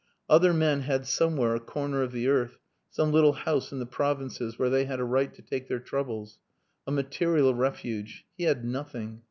Other men had somewhere a corner of the earth some little house in the provinces where they had a right to take their troubles. A material refuge. He had nothing.